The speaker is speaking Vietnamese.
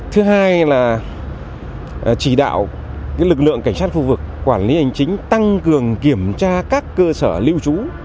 thứ hai là chỉ đạo lực lượng cảnh sát khu vực quản lý hành chính tăng cường kiểm tra các cơ sở lưu trú